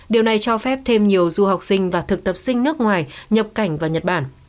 điều này cho phép thêm nhiều du học sinh và thực tập sinh nước ngoài nhập cảnh vào nhật bản